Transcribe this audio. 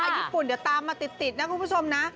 ญี่ปุ่นเดี๋ยวตามมาติดนะคุณผู้ชมนะ